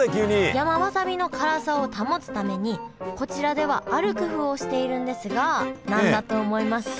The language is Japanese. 山わさびの辛さを保つためにこちらではある工夫をしているんですが何だと思いますか？